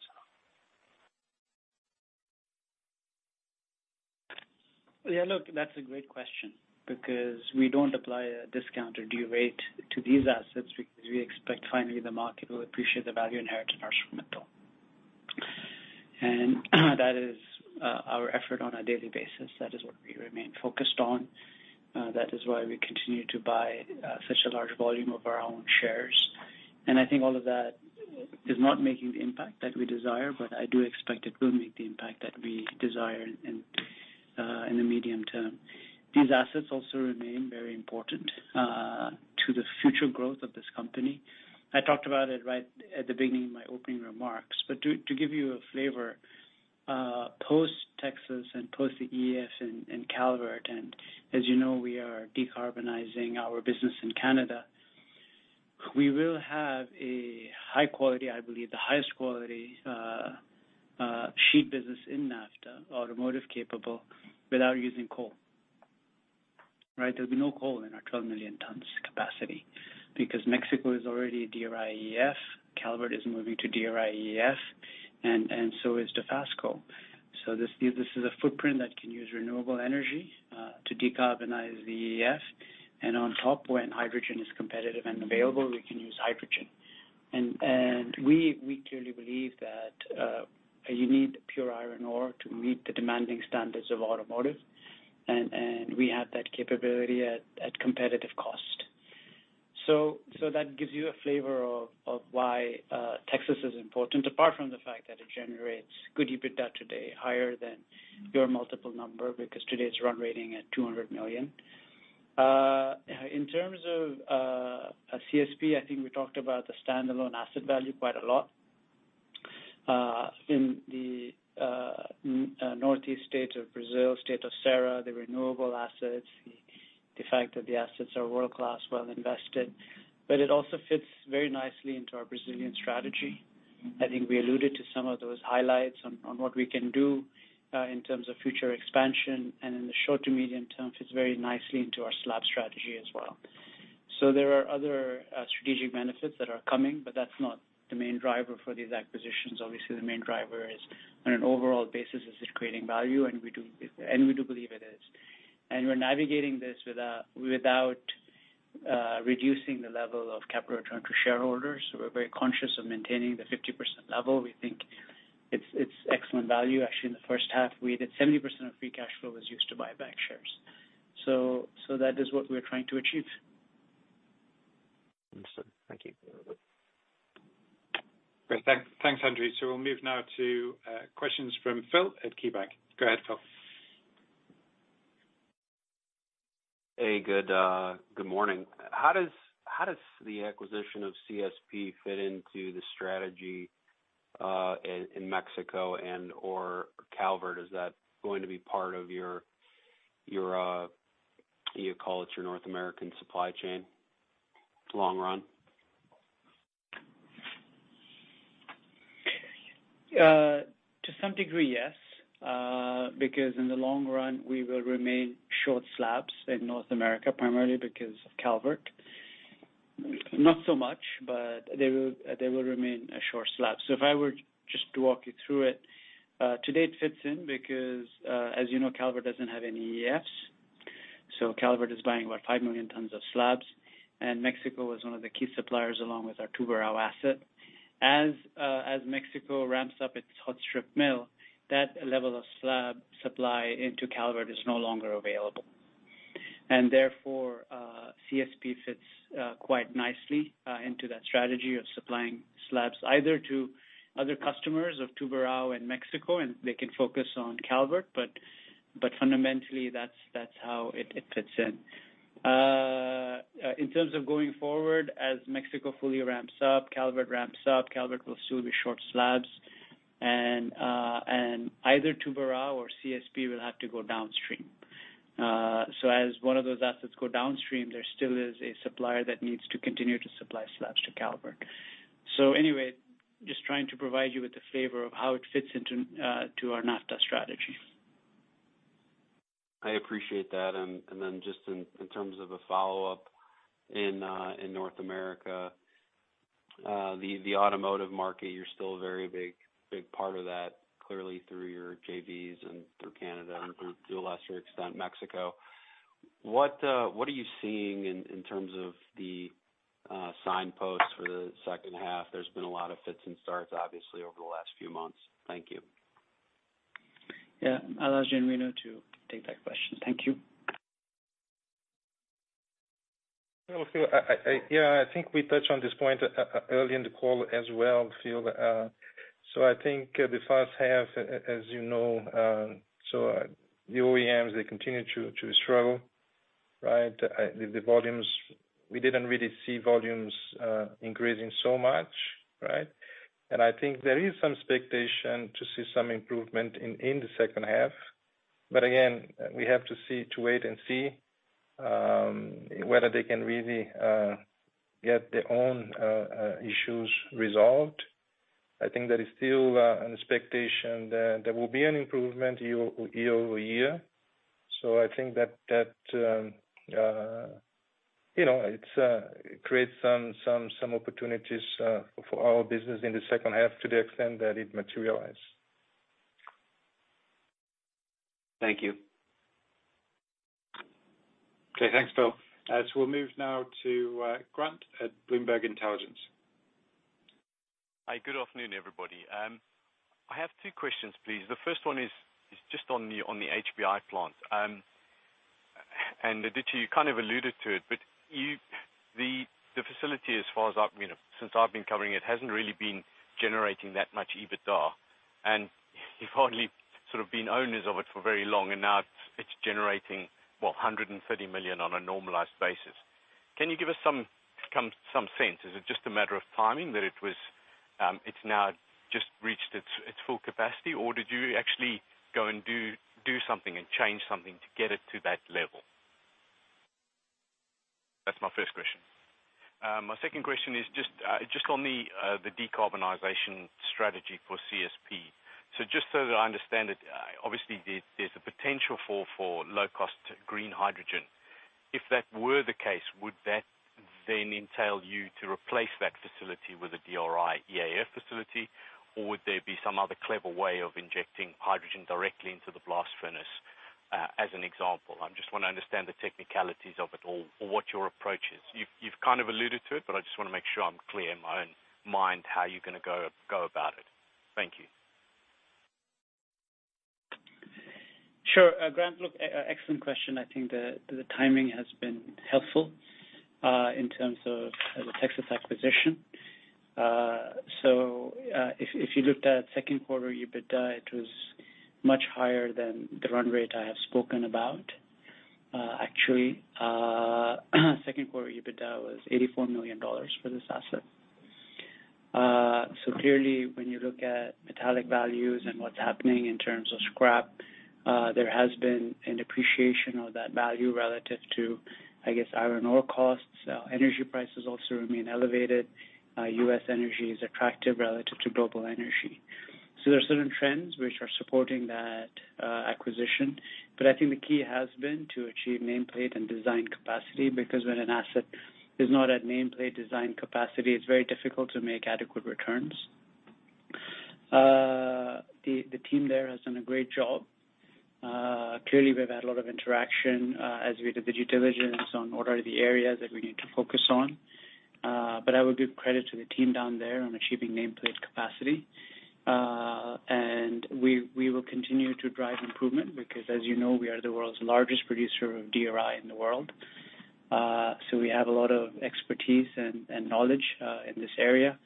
Yeah, look, that's a great question because we don't apply a discount or derate to these assets because we expect finally the market will appreciate the value inherent in ArcelorMittal. That is our effort on a daily basis. That is what we remain focused on. That is why we continue to buy such a large volume of our own shares. I think all of that is not making the impact that we desire, but I do expect it will make the impact that we desire in the medium term. These assets also remain very important to the future growth of this company. I talked about it right at the beginning in my opening remarks. To give you a flavor, post-Texas and post the EAF in Calvert, and as you know, we are decarbonizing our business in Canada. We will have a high quality, I believe the highest quality, sheet business in NAFTA, automotive capable without using coal, right? There'll be no coal in our 12 million tons capacity because Mexico is already a DRI EAF, Calvert is moving to DRI EAF, and so is Dofasco. This is a footprint that can use renewable energy to decarbonize the EAF. On top, when hydrogen is competitive and available, we can use hydrogen. We clearly believe that you need pure iron ore to meet the demanding standards of automotive. We have that capability at competitive cost. That gives you a flavor of why Texas is important, apart from the fact that it generates good EBITDA today, higher than your multiple number, because today it's run-rate at $200 million. In terms of CSP, I think we talked about the standalone asset value quite a lot. In the northeast state of Brazil, state of Ceará, the renewable assets, the fact that the assets are world-class, well invested. It also fits very nicely into our Brazilian strategy. I think we alluded to some of those highlights on what we can do in terms of future expansion and in the short to medium term fits very nicely into our slab strategy as well. There are other strategic benefits that are coming, but that's not the main driver for these acquisitions. Obviously, the main driver is on an overall basis, is it creating value? We do believe it is. We're navigating this without reducing the level of capital return to shareholders. We're very conscious of maintaining the 50% level. We think it's excellent value. Actually, in the first half, we did 70% of free cash flow was used to buy back shares. That is what we're trying to achieve. Understood. Thank you. Great. Thanks, Andrew. We'll move now to questions from Phil at KeyBanc. Go ahead, Phil. Hey, good morning. How does the acquisition of CSP fit into the strategy in Mexico and/or Calvert? Is that going to be part of your you call it your North American supply chain long run? To some degree, yes. Because in the long run, we will remain short slabs in North America, primarily because of Calvert. Not so much, but they will remain a short slab. If I were just to walk you through it, today it fits in because, as you know, Calvert doesn't have any EAFs. Calvert is buying about 5 million tons of slabs, and Mexico is one of the key suppliers along with our Tubarão asset. As Mexico ramps up its hot strip mill, that level of slab supply into Calvert is no longer available. Therefore, CSP fits quite nicely into that strategy of supplying slabs either to other customers of Tubarão and Mexico, and they can focus on Calvert. But fundamentally, that's how it fits in. In terms of going forward, as Mexico fully ramps up, Calvert ramps up, Calvert will still be short slabs. Either Tubarão or CSP will have to go downstream. As one of those assets go downstream, there still is a supplier that needs to continue to supply slabs to Calvert. Anyway, just trying to provide you with the flavor of how it fits into to our NAFTA strategy. I appreciate that. Then just in terms of a follow-up in North America, the automotive market, you're still a very big part of that, clearly through your JVs and through Canada and through to a lesser extent, Mexico. What are you seeing in terms of the signposts for the second half? There's been a lot of fits and starts, obviously, over the last few months. Thank you. Yeah. I'll ask Genuino to take that question. Thank you. Well, Phil, yeah, I think we touched on this point early in the call as well, Phil. I think the first half, as you know, the OEMs, they continue to struggle, right? The volumes. We didn't really see volumes increasing so much, right? I think there is some expectation to see some improvement in the second half. Again, we have to wait and see whether they can really get their own issues resolved. I think there is still an expectation that there will be an improvement year-over-year. I think that, you know, it creates some opportunities for our business in the second half to the extent that it materialize. Thank you. Okay, thanks, Phil. We'll move now to Grant at Bloomberg Intelligence. Hi, good afternoon, everybody. I have two questions, please. The first one is just on the HBI plant. Aditya, you kind of alluded to it, but the facility, you know, since I've been covering it, hasn't really been generating that much EBITDA, and you've only sort of been owners of it for very long, and now it's generating, what, $130 million on a normalized basis. Can you give us some sense? Is it just a matter of timing that it was, it's now just reached its full capacity? Or did you actually go and do something and change something to get it to that level? That's my first question. My second question is just on the decarbonization strategy for CSP. just so that I understand it, obviously, there's a potential for low-cost green hydrogen. If that were the case, would that then entail you to replace that facility with a DRI EAF facility, or would there be some other clever way of injecting hydrogen directly into the blast furnace, as an example? I just wanna understand the technicalities of it all or what your approach is. You've kind of alluded to it, but I just wanna make sure I'm clear in my own mind how you're gonna go about it. Thank you. Sure. Grant, look, excellent question. I think the timing has been helpful in terms of the Texas acquisition. If you looked at second quarter EBITDA, it was much higher than the run rate I have spoken about. Actually, second quarter EBITDA was $84 million for this asset. Clearly, when you look at metallic values and what's happening in terms of scrap, there has been an appreciation of that value relative to, I guess, iron ore costs. Energy prices also remain elevated. U.S. energy is attractive relative to global energy. There are certain trends which are supporting that acquisition. I think the key has been to achieve nameplate and design capacity, because when an asset is not at nameplate design capacity, it's very difficult to make adequate returns. The team there has done a great job. Clearly, we've had a lot of interaction as we did the due diligence on what are the areas that we need to focus on. I would give credit to the team down there on achieving nameplate capacity. We will continue to drive improvement because, as you know, we are the world's largest producer of DRI in the world. We have a lot of expertise and knowledge in this area,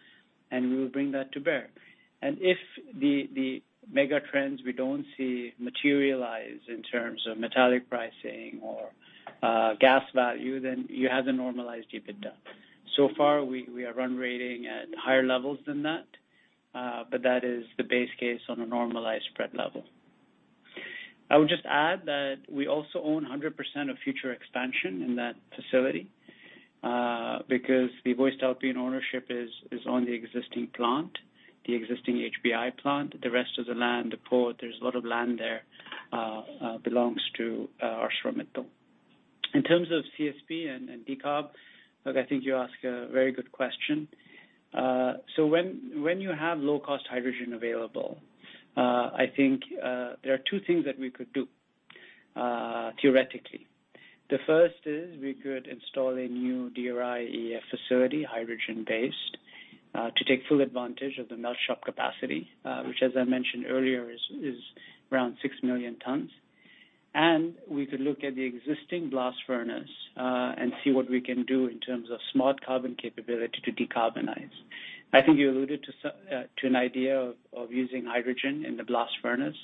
and we will bring that to bear. If the mega trends we don't see materialize in terms of metallic pricing or gas value, then you have the normalized EBITDA. We are running at higher levels than that, but that is the base case on a normalized spread level. I would just add that we also own 100% of future expansion in that facility, because the voestalpine ownership is on the existing plant, the existing HBI plant, the rest of the land, the port, there's a lot of land there, belongs to ArcelorMittal. In terms of CSP and decarb. Look, I think you asked a very good question. When you have low-cost hydrogen available, I think there are two things that we could do, theoretically. The first is we could install a new DRI EAF facility, hydrogen-based, to take full advantage of the melt shop capacity, which as I mentioned earlier is around 6 million tons. We could look at the existing blast furnace and see what we can do in terms of Smart Carbon capability to decarbonize. I think you alluded to an idea of using hydrogen in the blast furnace.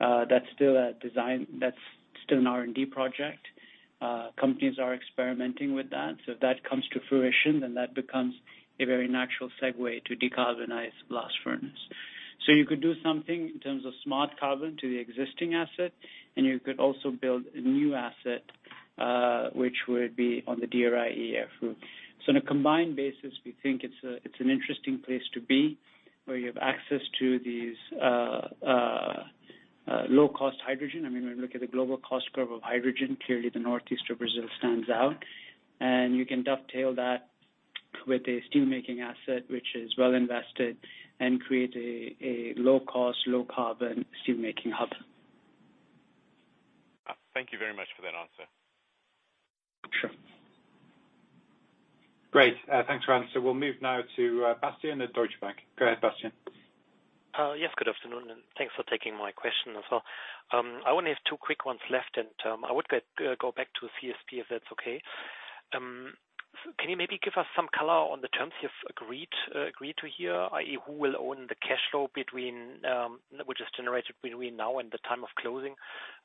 That's still an R&D project. Companies are experimenting with that, so if that comes to fruition, then that becomes a very natural segue to decarbonize blast furnace. You could do something in terms of Smart Carbon to the existing asset, and you could also build a new asset, which would be on the DRI EAF route. On a combined basis, we think it's an interesting place to be, where you have access to these low-cost hydrogen. I mean, when you look at the global cost curve of hydrogen, clearly the Northeastern Brazil stands out. You can dovetail that with a steel making asset which is well invested and create a low cost, low carbon steel making hub. Thank you very much for that answer. Sure. Great. Thanks, Grant. We'll move now to Bastian at Deutsche Bank. Go ahead, Bastian. Yes, good afternoon, and thanks for taking my question as well. I only have two quick ones left, and I would go back to CSP if that's okay. Can you maybe give us some color on the terms you've agreed to here, i.e., who will own the cash flow between which is generated between now and the time of closing?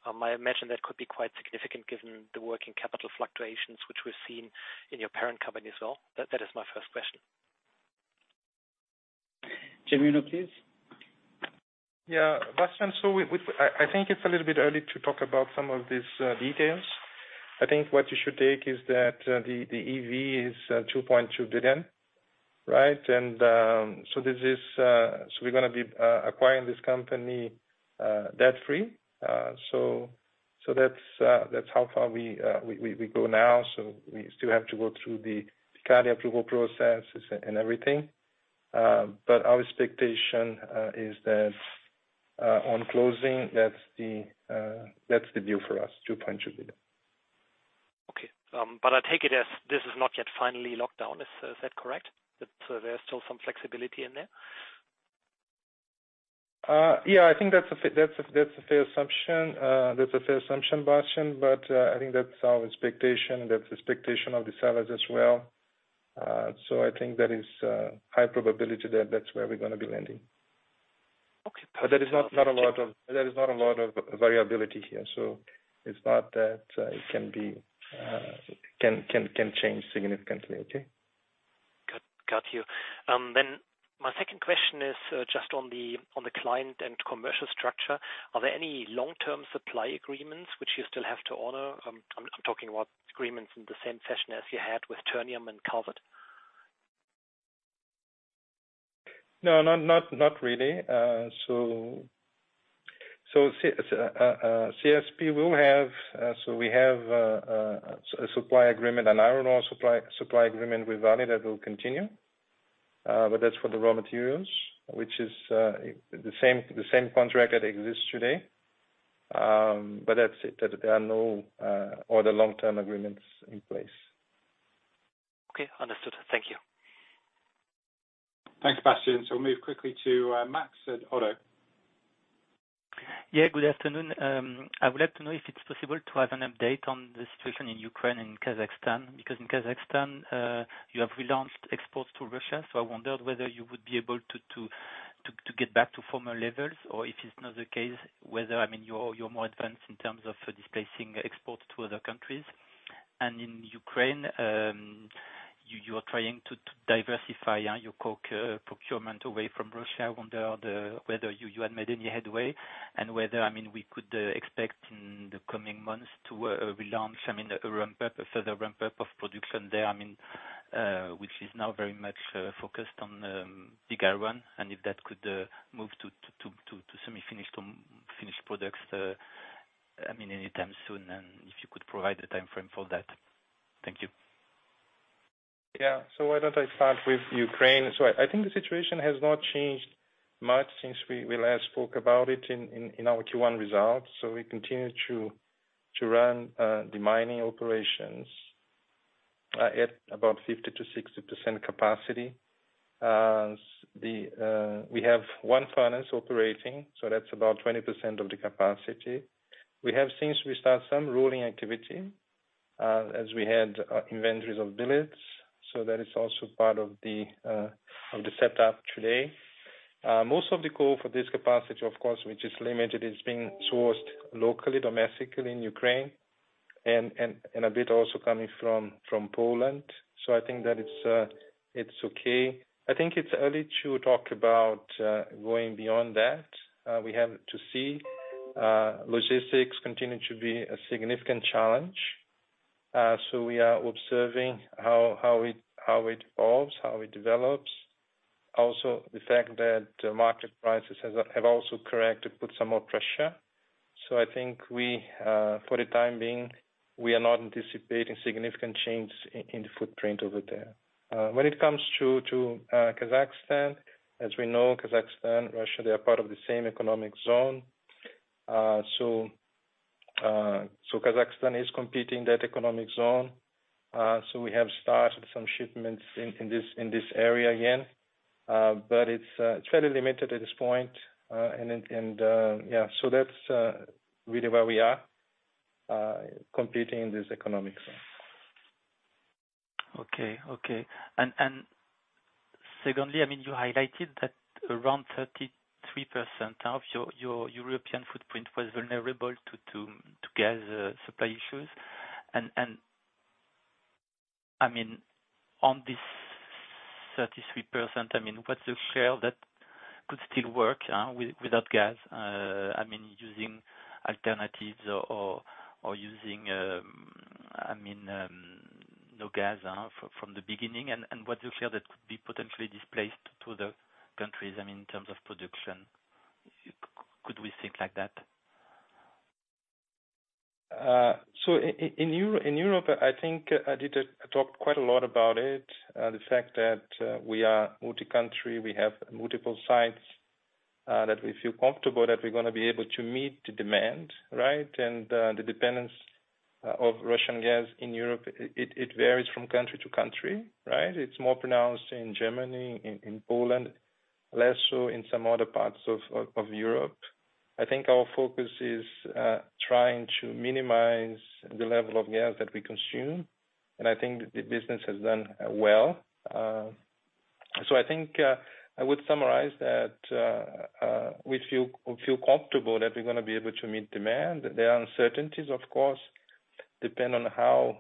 I imagine that could be quite significant given the working capital fluctuations which we've seen in your parent company as well. That is my first question. Genuino, please. Yeah. Bastian, I think it's a little bit early to talk about some of these details. I think what you should take is that the EV is $2.2 billion, right? We're gonna be acquiring this company debt-free. That's how far we go now. We still have to go through the CADE approval processes and everything. Our expectation is that on closing, that's the deal for us, $2.2 billion. Okay. I take it as this is not yet finally locked down. Is that correct? That there's still some flexibility in there. Yeah, I think that's a fair assumption, Bastian, but I think that's our expectation. That's the expectation of the sellers as well. I think there is high probability that that's where we're gonna be landing. Okay. There is not a lot of variability here, so it's not that it can change significantly. Okay? Got you. My second question is just on the client and commercial structure. Are there any long-term supply agreements which you still have to honor? I'm talking about agreements in the same fashion as you had with Ternium and Calvert. No, not really. CSP will have, so we have a supply agreement, an iron ore supply agreement with Vale that will continue. But that's for the raw materials, which is the same contract that exists today. But that's it. There are no other long-term agreements in place. Okay. Understood. Thank you. Thanks, Bastian. We'll move quickly to Max at Oddo. Yeah, good afternoon. I would like to know if it's possible to have an update on the situation in Ukraine and Kazakhstan, because in Kazakhstan, you have relaunched exports to Russia. I wondered whether you would be able to to get back to former levels, or if it's not the case, whether, I mean, you're more advanced in terms of displacing exports to other countries. In Ukraine, you are trying to diversify, yeah, your coke procurement away from Russia. I wonder whether you had made any headway and whether, I mean, we could expect in the coming months to relaunch, I mean, a ramp up, a further ramp up of production there, I mean, which is now very much focused on the iron ore, and if that could move to semi-finished, finished products, I mean, anytime soon, and if you could provide the timeframe for that. Thank you. Yeah. Why don't I start with Ukraine? I think the situation has not changed much since we last spoke about it in our Q1 results. We continue to run the mining operations at about 50%-60% capacity. We have one furnace operating, so that's about 20% of the capacity. We have started some rolling activity, as we had inventories of billets. That is also part of the setup today. Most of the coal for this capacity, of course, which is limited, is being sourced locally, domestically in Ukraine, and a bit also coming from Poland. I think that it's okay. I think it's early to talk about going beyond that. We have to see, logistics continue to be a significant challenge. We are observing how it evolves, how it develops. Also, the fact that market prices have also corrected, put some more pressure. I think we, for the time being, we are not anticipating significant changes in the footprint over there. When it comes to Kazakhstan, as we know, Kazakhstan, Russia, they are part of the same economic zone. Kazakhstan is competing in that economic zone. We have started some shipments in this area again. It's fairly limited at this point. That's really where we are competing in this economic zone. Okay. Secondly, I mean, you highlighted that around 33% of your European footprint was vulnerable to gas supply issues. I mean, on this 33%, I mean, what's the share that could still work without gas? I mean, using alternatives or using no gas from the beginning. What do you feel that could be potentially displaced to the countries, I mean, in terms of production? Could we think like that? In Europe, I think I did talk quite a lot about it. The fact that we are multi-country, we have multiple sites that we feel comfortable that we're gonna be able to meet the demand, right? The dependence of Russian gas in Europe, it varies from country to country, right? It's more pronounced in Germany, in Poland, less so in some other parts of Europe. I think our focus is trying to minimize the level of gas that we consume. I think the business has done well. I think I would summarize that we feel comfortable that we're gonna be able to meet demand. There are uncertainties, of course, depend on how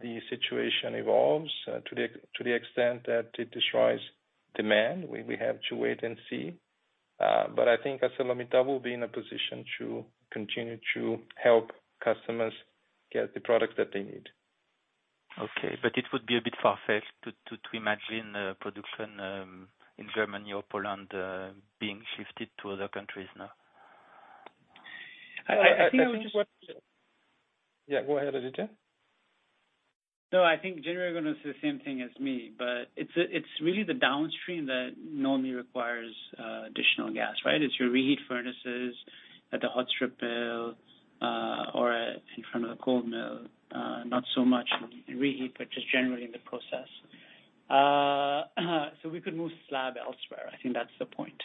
the situation evolves to the extent that it destroys demand. We have to wait and see. I think ArcelorMittal will be in a position to continue to help customers get the products that they need. Okay. It would be a bit far-fetched to imagine production in Germany or Poland being shifted to other countries now. I think. I think what- Yeah, go ahead, Aditya. No, I think Genuino is gonna say the same thing as me, but it's really the downstream that normally requires additional gas, right? It's your reheat furnaces at the hot strip mill, or in front of the cold mill. Not so much in reheat, but just generally in the process. So we could move slab elsewhere. I think that's the point.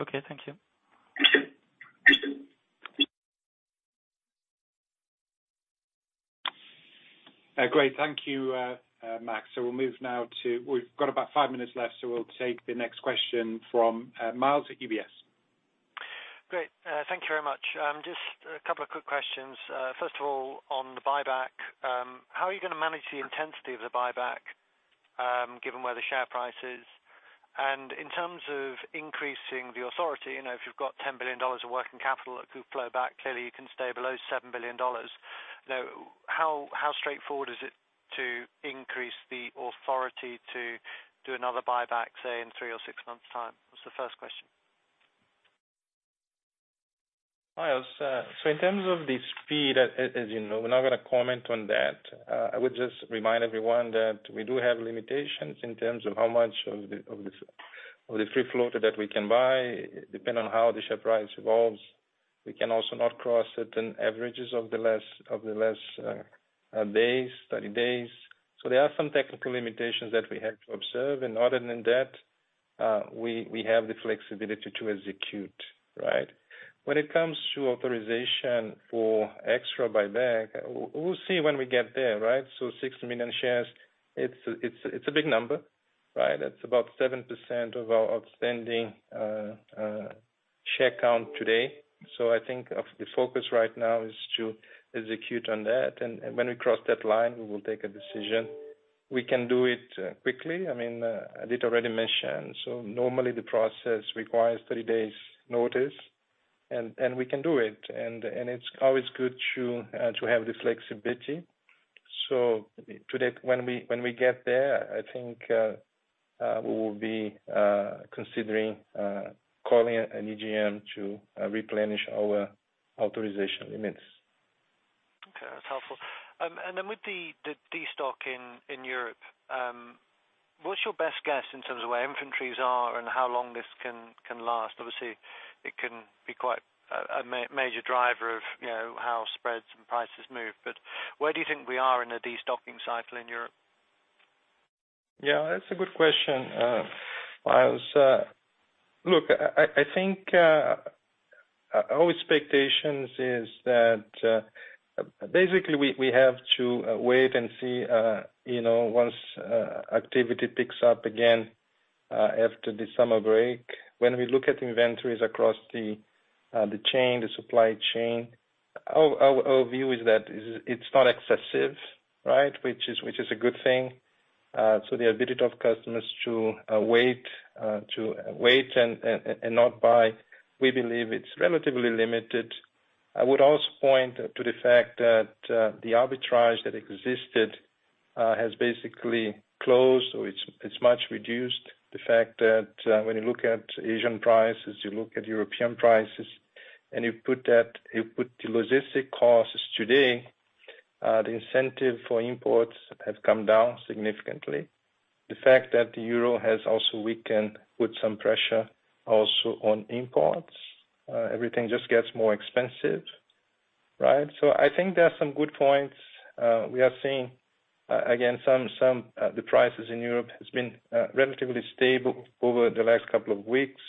Okay. Thank you. Great. Thank you, Max. We'll move now to. We've got about five minutes left, so we'll take the next question from Miles at UBS. Great. Thank you very much. Just a couple of quick questions. First of all, on the buyback, how are you gonna manage the intensity of the buyback, given where the share price is? In terms of increasing the authority, you know, if you've got $10 billion of working capital that could flow back, clearly you can stay below $7 billion. You know, how straightforward is it to increase the authority to do another buyback, say, in three or six months' time? That's the first question. Miles, as you know, we're not gonna comment on that. I would just remind everyone that we do have limitations in terms of how much of the free float that we can buy, depend on how the share price evolves. We can also not cross certain averages of the last 30 days. There are some technical limitations that we have to observe. Other than that, we have the flexibility to execute, right? When it comes to authorization for extra buyback, we'll see when we get there, right? 6 million shares, it's a big number, right? That's about 7% of our outstanding share count today. I think the focus right now is to execute on that. When we cross that line, we will take a decision. We can do it quickly. I mean, Aditya already mentioned, so normally the process requires 30 days notice, and we can do it. It's always good to have this flexibility. When we get there, I think, we will be considering calling an EGM to replenish our authorization limits. Okay. That's helpful. With the destock in Europe, what's your best guess in terms of where inventories are and how long this can last? Obviously, it can be quite a major driver of, you know, how spreads and prices move. Where do you think we are in a destocking cycle in Europe? Yeah, that's a good question, Miles. Look, I think our expectations is that basically we have to wait and see, you know, once activity picks up again. After the summer break, when we look at inventories across the chain, the supply chain, our view is that it's not excessive, right? Which is a good thing. So the ability of customers to wait and not buy, we believe it's relatively limited. I would also point to the fact that the arbitrage that existed has basically closed, or it's much reduced. The fact that when you look at Asian prices, you look at European prices, and you put the logistic costs today, the incentive for imports have come down significantly. The fact that the euro has also weakened put some pressure also on imports. Everything just gets more expensive, right? I think there are some good points we are seeing. Again, some the prices in Europe has been relatively stable over the last couple of weeks.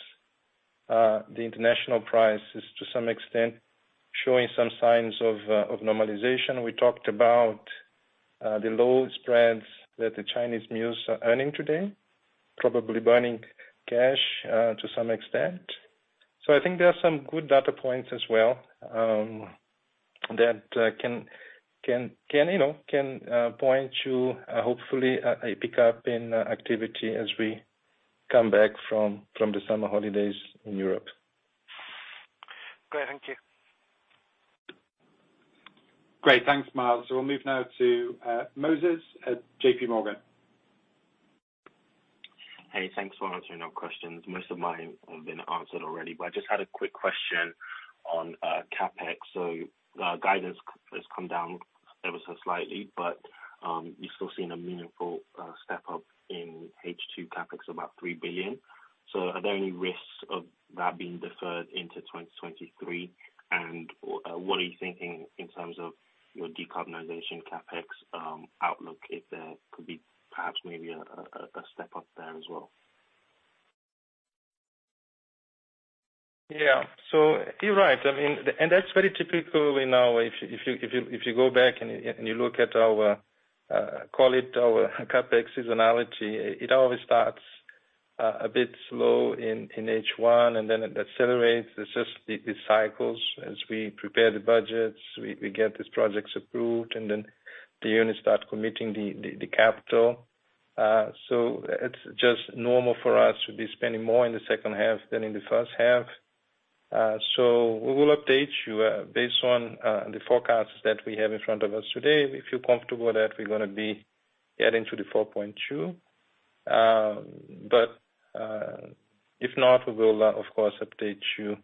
The international price is to some extent showing some signs of normalization. We talked about the low spreads that the Chinese mills are earning today, probably burning cash to some extent. I think there are some good data points as well, that can, you know, point to, hopefully, a pickup in activity as we come back from the summer holidays in Europe. Great. Thank you. Great. Thanks, Miles. We'll move now to Moses at JPMorgan. Hey, thanks for answering our questions. Most of mine have been answered already, but I just had a quick question on CapEx. The guidance has come down ever so slightly, but you're still seeing a meaningful step-up in H2 CapEx of about $3 billion. Are there any risks of that being deferred into 2023? What are you thinking in terms of your decarbonization CapEx outlook, if there could be perhaps maybe a step-up there as well? Yeah. You're right. I mean, that's very typical, you know, if you go back and you look at our, call it our CapEx seasonality, it always starts a bit slow in H1, and then it accelerates. It's just the cycles as we prepare the budgets, we get these projects approved, and then the units start committing the capital. It's just normal for us to be spending more in the second half than in the first half. We will update you based on the forecasts that we have in front of us today. We feel comfortable that we're gonna be getting to the $4.2. If not, we will, of course, update you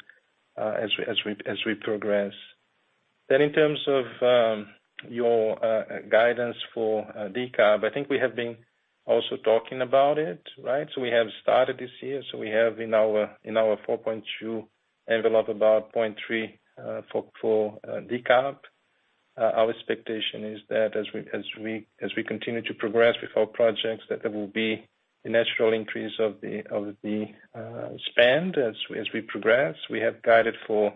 as we progress. In terms of your guidance for decarb, I think we have been also talking about it, right? We have started this year. We have in our $4.2 billion envelope about $0.3 billion for decarb. Our expectation is that as we continue to progress with our projects, that there will be a natural increase of the spend as we progress. We have guided for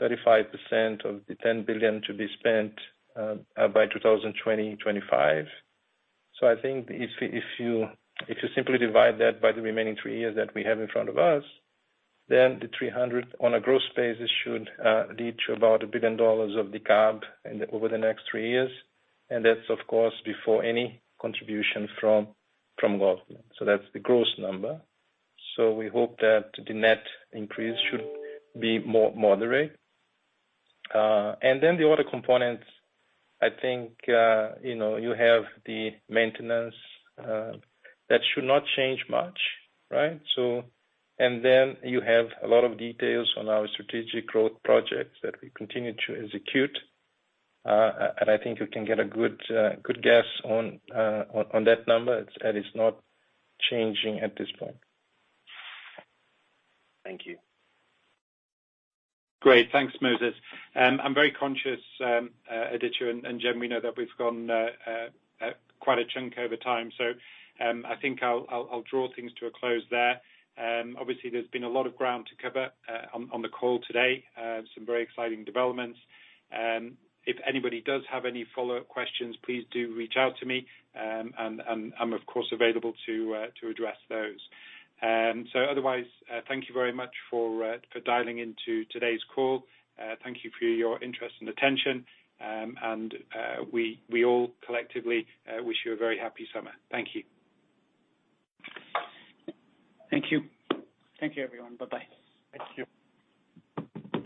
35% of the $10 billion to be spent by 2025. I think if you simply divide that by the remaining three years that we have in front of us, then the $300 million on a gross basis should lead to about $1 billion of decarb over the next three years. That's, of course, before any contribution from government. That's the gross number. We hope that the net increase should be more moderate. Then the other components, I think, you know, you have the maintenance that should not change much, right? You have a lot of details on our strategic growth projects that we continue to execute. I think you can get a good guess on that number. That is not changing at this point. Thank you. Great. Thanks, Moses. I'm very conscious, Aditya and Genuino, we know that we've gone quite a chunk over time, so I think I'll draw things to a close there. Obviously there's been a lot of ground to cover on the call today, some very exciting developments. If anybody does have any follow-up questions, please do reach out to me. I'm of course available to address those. Otherwise, thank you very much for dialing into today's call. Thank you for your interest and attention. We all collectively wish you a very happy summer. Thank you. Thank you. Thank you, everyone. Bye-bye. Thank you.